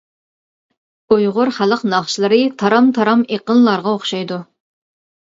ئۇيغۇر خەلق ناخشىلىرى تارام-تارام ئېقىنلارغا ئوخشايدۇ.